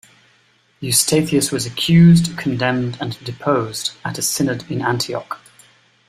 Eustathius was accused, condemned, and deposed at a synod in Antioch.